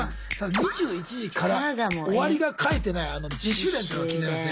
２１時から終わりが書いてないあの自主練ってのが気になりますね。